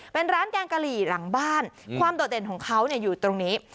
เป็นร้านแกงกะหรี่หลังบ้านความโดดเด่นของเขาอยู่ตรงนี้